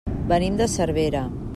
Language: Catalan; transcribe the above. Venim de Cervera.